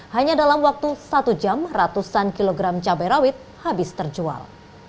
hanya dalam waktu satu jam ratusan kilogram cabai rawit habis terjual